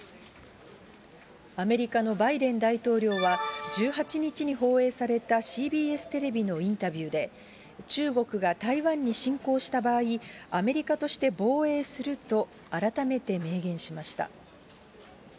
アメリカのバイデン大統領は、１８日に放映されたＣＢＳテレビのインタビューで、中国が台湾に侵攻した場合、アメリカとして防衛すると、改めて明言しました。